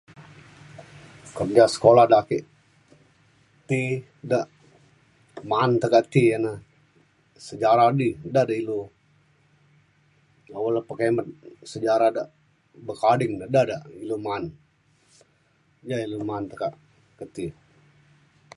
Un yak sekula na ake, ti dak ma'an tekak ti ya na , Sejarah di ilu , la'o pa ilu pengimet Sejarah da yak ading , ilu ma'an, da ilu ma'an tekak kelo ti